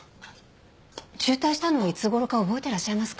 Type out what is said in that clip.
中退したのはいつ頃か覚えてらっしゃいますか？